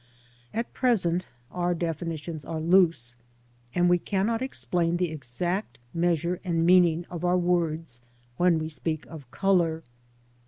At present our definitions are loose, and we cannot explain the exact measure and meaning of our words when we speak of colour.